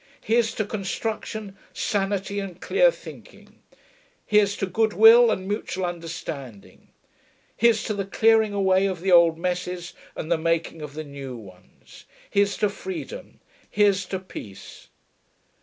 'Here's to construction, sanity, and clear thinking. Here's to goodwill and mutual understanding. Here's to the clearing away of the old messes and the making of the new ones. Here's to Freedom. Here's to Peace.'